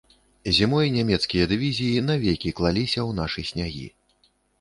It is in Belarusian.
Зімой нямецкія дывізіі навекі клаліся ў нашы снягі.